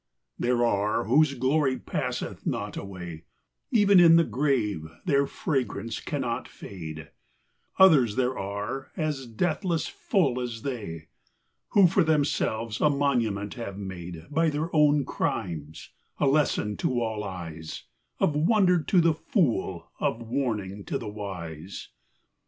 There are, whose glory passeth not away — Even in the grave their fragrance cannot fade : Others there are as deathless full as they, Who for themselves a monument have made By their own crimes — a lesson to all eyes — Of wonder to the fool — of warning to the wise. Alaric at Rome.